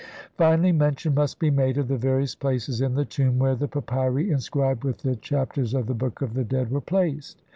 Finally, mention must be made of the various places in the tomb where the papyri inscribed with the Chap ters of the Book of the Dead were placed.